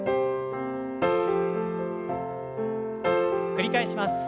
繰り返します。